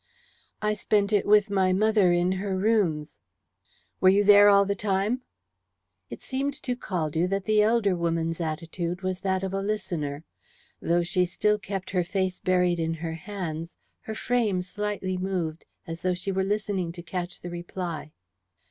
"I spent it with my mother in her rooms." "Were you there all the time?" It seemed to Caldew that the elder woman's attitude was that of a listener. Though she still kept her face buried in her hands, her frame slightly moved, as though she were listening to catch the reply.